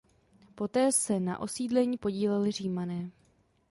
Poté se na osídlení podíleli Římané.